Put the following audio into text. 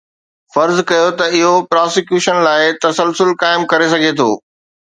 فرض ڪيو ته اهو پراسيڪيوشن لاء تسلسل قائم ڪري سگهي ٿو